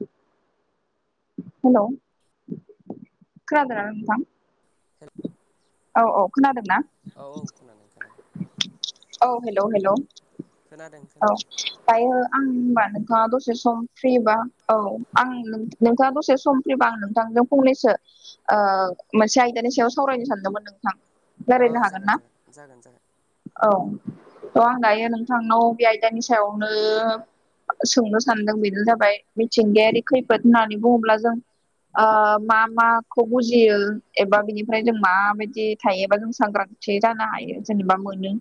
हेल' खोनादोना नोंथां औ औ खोनादोंना औ औ खोनादों खोनादों औ हेलौ हेलौ औ दायो आं होमबा नोंथाङा दसे सम फ्रिबा औ आं नों नोंथाङा दसे सम फ्रिबा आं नोंथांजों फंनैसो ओ मोनसे आयदानि सायाव सावरायनो सानदोंमोन नों औ जागोन जागोन जागोन जागोन औ थ' आं दायो नोंथांनाव बे आयदानि सायावनो सोंनो सानदों बेनो जाबाय मिथिंगायारि खैफोद होननानै बुङोब्ला जों। मा मा माखौ बुजियो एबा बिनिफ्राय जों माबायदि थायोबा जों सांग्रां जानो हायो जेनेबा मोनो।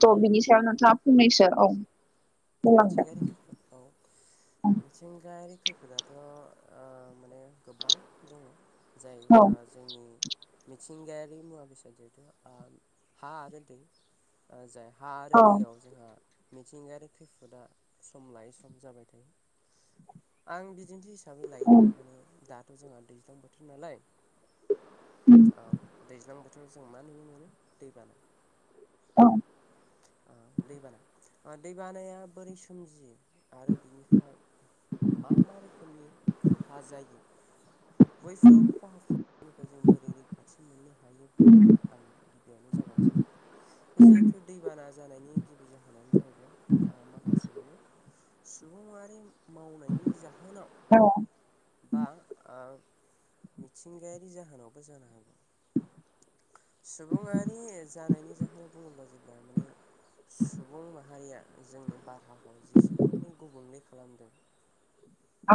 थ' बिनि सायाव नोंथाङा फंनैसो औ। बुंलांदों मिथिंगायारि खैफोद औ मिथिंगायारि खैफोद फोराथ' माने गोबां दङ जाय औ आ जोंनि मिथिंगायारि मुवा बेसाद जिहुथु हा आरो दै जाय हा आरो औ दैयाव जोंहा मिथिंगायारि खैफोद दा सम लायै सम जाबाय थायो आं बिदिन्थि हि हिसाबै उम लायोब्ला माने दाथ' जोंहा दैज्लां बोथोर नालाय। औ दैज्लां बोथोराव जों मा नुनो मोनो दै बाना। औ। दैबाना दैबानाया बोरै सोमजियो आरो बिनिफ्राय मा मा रोखोमनि खहा जायो। उम उम बैफोर खहाफोरनिफ्राय जों बोरै रैखाथि मोननो हायो बुङोब्ला आं। गिबियावनो जागायसै जिहेथु दैबाना जानायनि गिबि जाहोनानो जाहैबाय। ओ माखासे माने सुबुंङारि मावनायनि जाहोनाव। औ बा मिथिंगायारि जाहोनावबो जानो हागौ। सुबुङारि जानायनि जाहोनाव बुङोब्ला जेब्ला माने। सुबुं माहारिया जोंनि बारहावाखौ जेसेबां माने गुबुंले खालामदों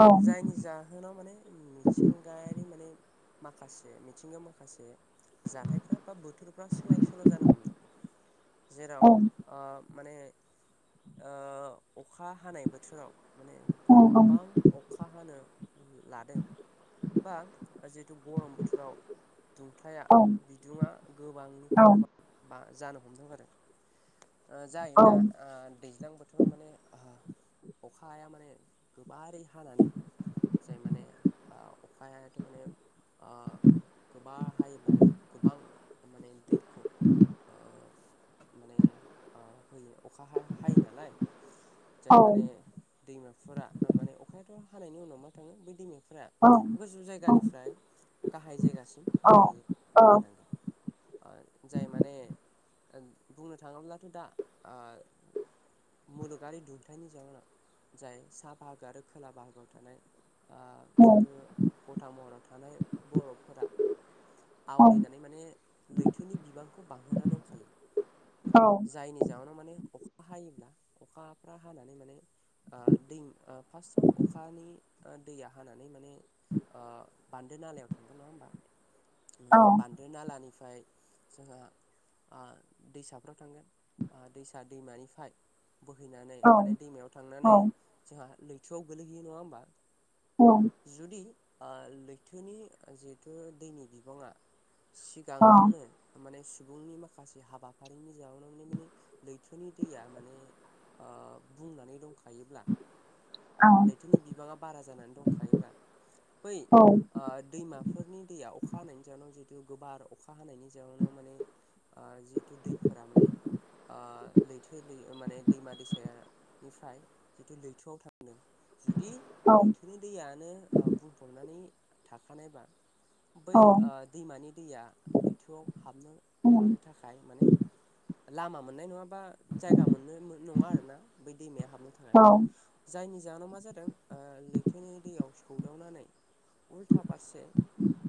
औ जायनि जाहोनाव माने मिथिं गायारि माने माखासे मिथिंगायाव माखासे जाथायफ्रा बा बोथोरफ्रा सोलाय सोल' जानो हमदों। औ जेराव माने ओं अखा हानाय बोथोराव माने गोबां अखा हानो लादों बा जिहेतु गरम बोथोराव दुंथाया औ बिदुङा गोबांनिफ्राय गोबां बा जानो हमदों आरो जाय दा औ दैज्लां बोथोराव माने अखाया माने गोबारै हानानै जाय माने अखाथ' माने गोबा हायोब्ला गोबां माने दैखौ ओ माने अखा हायो नालाय जाय माने औ दैमाफोरा माने अखायाथ' हानायनि उनाव मा थाङो बै दैमाफोरा औ औ गोजौ जायगानिफ्राय गाहाय जायगासिम औ बोहैयो बोहैलांगोन‌। जाय माने बुंनो थाङोब्लाथ' दा मुलुगारि दुंथाइनि जाहोनाव जाय सा बाहागो आरो खोला बाहागोआव थानाय उम जिहेथु गथा महराव थानाय बरपफोरा औ उम आवलिनानै माने लैथोनि बिबानखौ बांहोनानै दंखायो। औ जायनि जाहोनाव माने अखा हायोब्ला अखाफ्रा हानानै माने ओ दै फार्स्टआव अखानि दैया हानानै माने बान्दो नालायाव थांगोन नङा होमबा? बान्दो नालानिफ्राय जोंहा दैसाफ्राव थांगोन दैसा दैमानिफ्राय बोहैनानै उम औ माने औ दैमायाव थांनानै उम जोंहा लैथोआव गोलैहैयो नङा होमबा। औ। जुदि लैथोनि जिहेथु दैनि बिबाङा सिगाङावनो औ माने सुबुंनि माखासे हाबाफारिनि जाहोनावओ माने लैथोनि दैया माने ओ बुंनानै दंखायोब्ला लैथोनि बिबाङा बारा जानानै दंखायोबब्ला बै ओ दैमाफोरनि दैया अखा हानायनि जाहोनाव जिहेतु गोबार अखा हानायनि जाउनाव माने जिहेतु दैफोरा माने आ लैथो दै ओ माने दैमा दैसा निफ्राय जिथु लैथोआव थांदों जुदि लैथोनि दैयानो ओ बुंफबनानै थाखानायबा बै ओ दैमानि दैया लैथोआव हाबनो हानो था खाय लामा माने लामा मोननाय नङाबा जायगा मोननो नङा आरोना बै दैमाया हाबनो थाखाय। जायनि जाहोनाव मा जादों ओ लैथोनि दैयाव सौदावनानै उल्था फारसे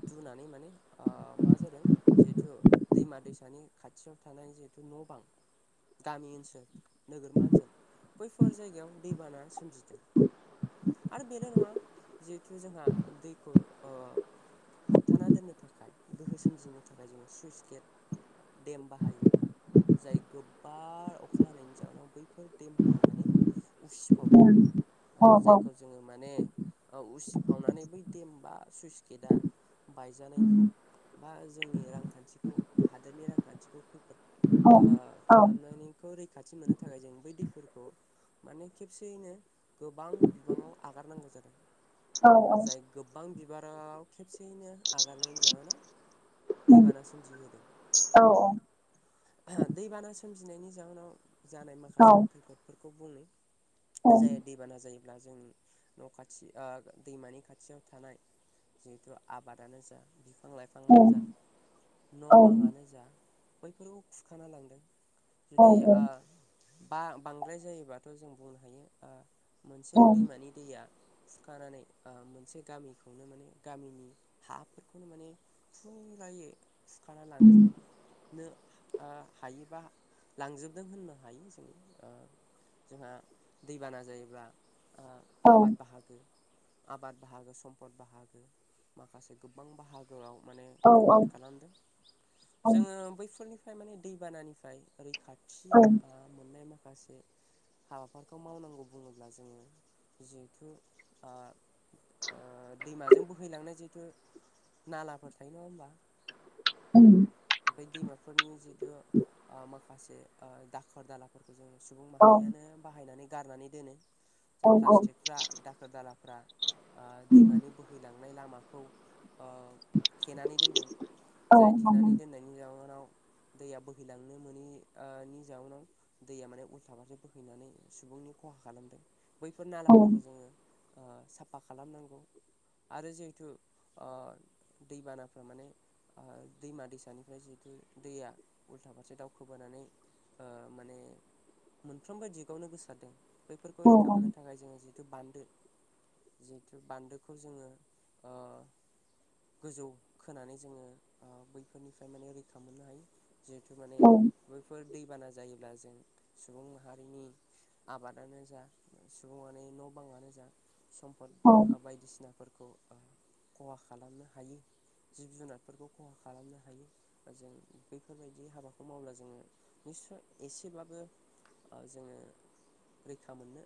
दुनानै माने ओ मा जादों जिहेथु दैमा दैसानि खाथियाव थानाय जिहेथु न' बां गामि ओनसोल नोगोरमा ओनसोल बैफोर जायगायाव दैबाना सोमजि दों आरो बेल' नङा जिहेथु जोंहा दैखौ ओ होबथाना दोननो थाखाय गोहो सोमजिनो थाखाय जोङो सुइस गेट ओ देम बाहायो जायखौ बार, अखा हानायनि जाउनाव बैफोर देमफोरा माने उसाफावदोंफावदों ओ जायखौ जोङो माने ओ उसिफावनानै बै देम बा सुइस गेटआ बायजानायखौ बा जोंनि रांखान्थिखौ हादोरनि रांखान्थिखौ खैफोद ओ रैखाथि मोननो थाखाय जों बै दैफोरखौ माने खेबसेयैनो गोबां बिबाङाव आगारनांगौ जादों ओ जाय गोबां बिबाराव खेबसेयैनो आगारनायनि जाउनाव दैबाना सोमजिहोदों। औ दैबाना सोमजिनायनि जाहोनाव जानाय माखासे आं खैफोदफोरखौ बुंनि। जे दैबाना जायोब्ला जों न' खाथि ओ दैमानि खाथियाव थानाय जिहेथु आबादानो जा बिफां लाइफां ङानो जा औ न' औ बाङानो जा बैफोरखौ खुरखाना लांदों। औ जुदि ओ बा-बांद्राय जायोबाथ' जों बुंनो हायो ओ औ मोनसे दैमानि दैया खुरखानानै मोनसे ओ गामिखौनो माने गामिनि हाफोरखौनो माने फुरायै खुरखाना उम लांजोबनो ओ हायोबा लांजोबदों होननो हायो जों ओ जोंहा दैबाना जायोब्ला ओ औ आबाद बाहागो, आबाद बाहागो सम्पद बाहागो माखासे गो बां बाहागोआव माने औ खैफोद खालामदों। औ जोङो बैफोरनि फ्राय माने दैबानानिफ्राय रैखाथि औ ओ मोननाय माखासे हाबाफोरखौ मावनांगौ बुङोब्ला जोङो जिहेथु ओ ओ दैमाजों बोहैलांनाय जिहेथु नालाफोर थायो नङा होमबा। उम बे दैमाफोरनि जिहेथु ओ माखासे ओ दाखोर दाला फोरफोरखौ जों सुबुं औ माहारियानो बाहायनानै गारनानै दोनो औ जाय प्लास्टिकफ्रा दाखोर दालाफ्रा ओ उम दैमानि बोहैलांनाय लामाखौ ओ थेनानै दोनदों औ जाय थेनानै हागोन दोननाय नि जाउनाव दैया बोहैलांनो मोनि नि जाउनाव दैया माने उल्था फारसे बोहैनानै सुबुंनि खहा खालामदों। बैफोर औ नालाफोरखौ साफा खालामनांगौ आरो जिहेथु दैबानाफ्रा माने औ दैमा दैसानिफ्राय जिहेथु दैया उल्था फारसे दाउखो हाबोनानै माने मोनफ्रोमबो दिगावनो गोसारदों। बैफोरखौ औ रैखा मोननो थाखाय जों जिथु बान्दो जिहेथु बान्दोखौ जोङो ओ गोजौ खोनानै जोङो बैफोरनिफ्राय माने रैखा मोननो हायो। जिहेथु माने बैफोर दैबाना जायोब्ला जों सुबुं माहारिनि आबादानो जा सुबङानि न' बाङानो जा सम पत बायदिसिनाफोरखौ खहा खालामनो हायो। जिब जुनारफोरखौ खहा खालामनो हायो जों बैफोरबायदि हाबाखौ मावब्ला जोङो निस्वय एसेब्लाबो जोङो रैखा मोननो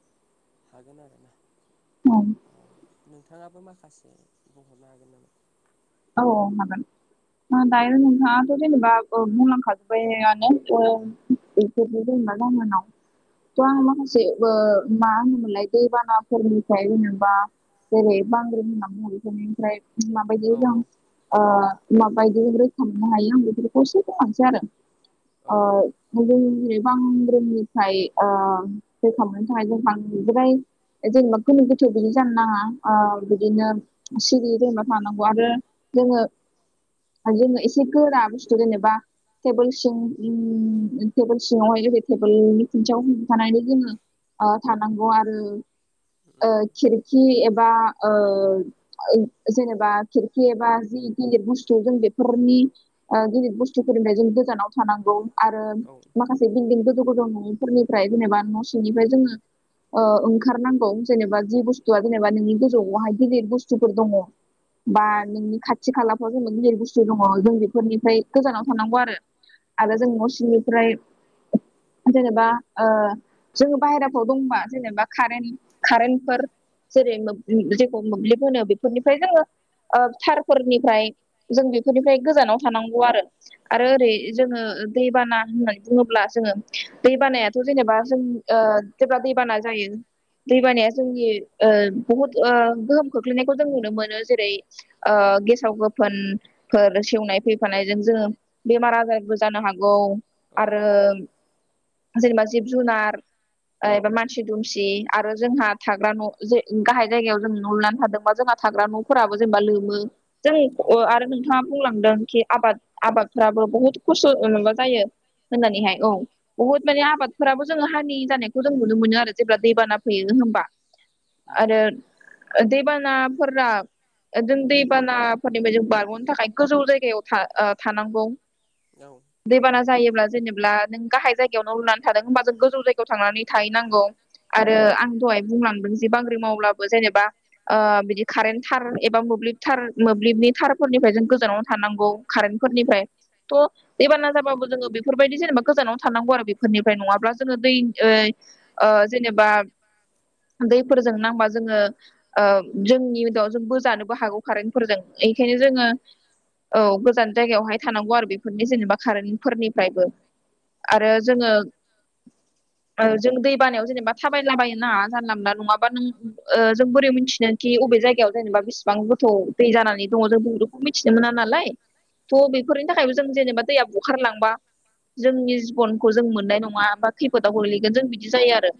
हागोन आरो ना औ अ नोंथाङाबो माखासे बुंहरनो हागोन नामा औ हागोन ओ दायो नोंथांआथ' जेनेबा ओ बुंलांखाजुबबायानो ओ [unintelligible] उम माखासे ओ मा होनोमोनलाय दैबानाफोरनिफ्राय जेनेबा जेरै बांग्रिं होनना बुङो बेफोरनिफ्राय माबायदि औ जों ओ माबायदि रैखा मोननो हायो आं बेफोरखौ एसे बुंलांसै आरो औ ओ [unintelligible] जेनेबा गोनो गोथो बिदि जानो नाङा ओ औ बिदिनो सिरि जेनेबा थानांगौ आरो जोङो जोङो एसे गोरा बुसथु जेनेबा टेबोल सिं टेबोल सिङावहाय [unintelligible] टेबोलनि खुन्थियाआव हमथानानै जोङो ओ थानांगौ आरो ओ उम खिरखि एबा ओ ओ जेनेबा खिर खि एबा जि गिलिर बुस्थु जों बेफोरनि ओ गिलिर बुस्थुफोरनिफ्राय जों गोजानाव थानांगौ आरो औ माखासे बिल्दिं गोजौ गोजौ न'फोरनिफ्राय जेनेबा न' सिंनिफ्राय जोङो ओ ओंखारनांगौ जेनेबा जि बुस्थुआ जेनेबा नोंनि गोजौआवहाय गिलिर बुस्थुफोर दङ बा औ नोंनि खाथि खालाफ्राव जेनेबा गिदिर बुस्थु दङ जों बेफोरनिफ्राय गोजानाव थानांगौ आरो। आरो औ जों न' सिंनिफ्राय जेनेबा ओ जोङो बाहेराफ्राव दंबा जेनेबा कारेन्ट कारेन्टफोर जेरै मोब जेखौ मोब्लिब होनो बेफोरनिफ्राय जोङो ओ थारफोरनिफ्राय जों बेफोरनिफ्राय गोजानाव थानांगौ आरो आरो औ ओरै जोङो दैबाना होननानै बुङोब्ला जोङो दै बानायाथ' जेनेबा जों ओ जेब्ला दैबाना जायो दैबानाया जोंनि ओ बुहुत ओ गोहोम खोख्लैनायखौ जों नुनो मोनो जेरै- ओ गेसाव गोफोन फोर सेवनाय फैफानायजों जोङो बेमार आजारबो जानो हागौ उम आरो जेनेबा जिब जुनार ओ एबा मानसि दुमसि आरो जोंहा थाग्रा न गाहाय जायगायाव जों नु लुनानै थादोंबा जोंहा थाग्रा न'फोराबो जेनेबा लोमो जों औ अ आरो नों थाङा बुंलांदों खि आबाद आबादफोराबो बहुद खस्थ' माबा जायो होननानैहाय औ बुहुद माने आबादफोराबो जोङो हानि जानायखौ नुनो आरो जेब्ला दैबाना फैयो होमबा आरो दैबानाफोरा जों दैबानाफोरनिफ्राय जों बारग'नो थाखाय गोजौ जायगायाव‌ था ओ थानांगौ। औ। दैबाना जायोब्ला जेनेब्ला नों गाहाय जायगायाव न' लुनानै थादों होमबा जों गोजौ जायगायाव थांनानै थाहैनांगौ। आरो औ आं दहाय बुंलांदों जे बांग्रिं मावब्लाबो जेनेबा ओ बिदि कारेन्ट थार एबा मोब्लिब थार मोब्लिबनि थारफोरनिफ्राय जों गोजानाव थानांगौ कारेन्टफोरनिफ्राय थ' दैबाना जाब्लाबो जोङो बेफोरबायदि जेनेबा गोजानाव थानांगौ आरो बेफोरनिफ्राय नङाब्ला जोङो दै ओ दै ओ जेनेबा दैफोरजों नांबा जोङो ओ जोंनि उनाव जों बोज जानोबो हागौ कारेन्टफोरजों एखायनो उम जोङो औ औ गोजान जायगायावहाय थानांगौ आरो बेफोरनि जेनेबा कारेन्टफोरनिफ्रायबो। आरो जोङो ओ जों दै बानायाव जेनेबा थाबायला बायोना जानला मोनला नङाबा नों जों औ बोरै मिथिनो। खि अबे जायगायाव जेनेबा बिसिबां गोथ' दै जानानै दङ जों बेखौ मिथिनो मोना नालाय। थ' बेफोरनि थाखायबो जों जेनेबा दैया बुखारलांबा जोंनि जिबनखौ जों मोननाय नङा बा खैफोदाव गोलैगोन जों बिदि जायो आरो।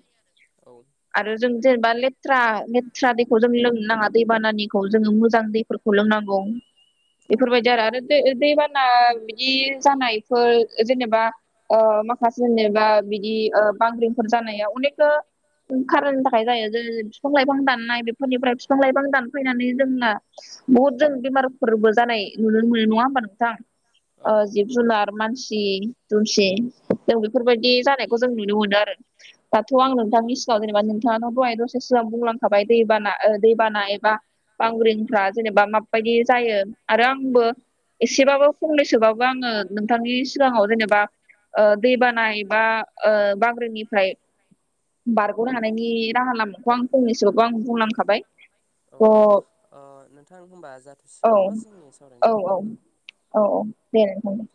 औ। आरो जों जेनेबा लेथ्रा लेथ्रा दैखौ जों लोंनो नाङा दैबानानि खौ जोङो मोजां दैफोरखौ लोंनांगौ। बेफोरबायदि आरो आरो दै दैबाना बिदि जानायफोर जेनेबा ओ माखासे जेनेबा ओ बिदि बांग्रिंफोर जानाया अनेखथा उम कारनि थाखाय जायो जेरै फिफां लाइफां दाननाय बेफोरनिफ्राय फिफां लाइफां दान फायनानै जोंना बहुद जों बेमारफोरबो जानाय नुनो मोनो नङा नोंथां? ओ औ जिब जुनार मानसि दुमसि जों बेफोरबायदि जानायखौ जों नुनो मोनो आरो। दाथ आं नोंथांनि सिगाङाव जेनेबा नोंथानाव दहाय दसे सिगां बुंलांखाबाय दैबाना ओ दैबाना एबा बांग्रिंफ्रा जेनेबा माबाबायदि जायो आरो आंबो एसेबाबो फंनैसोबाबो आङो नोंथांनि सिगाङाव जेनेबा ओ दैबाना एबा ओ बांग्रिंनिफ्राय बारग'नो हानायनि राहा लामाखौ आं फंनैसोबाबो आं बुंलांखाबाय। औ अ ओ नोंथां होमबा जाथ'सिगोन नामा जोंनि सावरायनायखौ बेहायनो। अ अ दे नोंथां।